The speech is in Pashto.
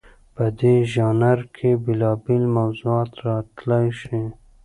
په دې ژانر کې بېلابېل موضوعات راتلی شي.